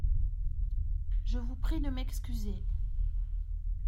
Je vous prie de m’excuser.